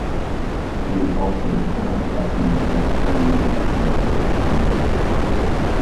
He is also the current captain of the Australian national cricket team.